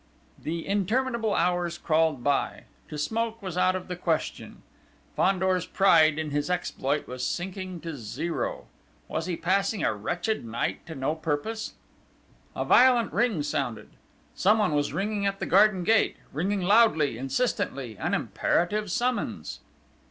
The interminable hours crawled by. To smoke was out of the question. Fandor's pride in his exploit was sinking to zero: was he passing a wretched night to no purpose? A violent ring sounded. Someone was ringing at the garden gate ringing loudly, insistently an imperative summons!